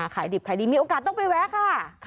ขายดิบขายดีมีโอกาสต้องไปแวะค่ะ